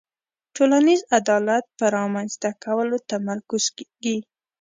ټولنیز عدالت په رامنځته کولو تمرکز کیږي.